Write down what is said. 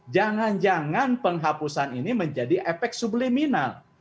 jangan jangan penghapusan ini menjadi efek subliminal